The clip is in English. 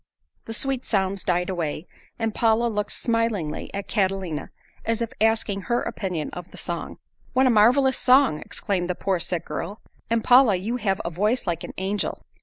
The sweet sounds died away, and Paula looked smilingly at Catalina as if asking her opinion of the song. "What a marvelous song!" exclaimed the poor sick girl. "And, Paula, you have a voice like an angel!"